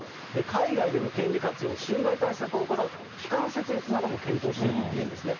海外での権利活用、侵害対策を行う機関設立なども検討しているということなんですね。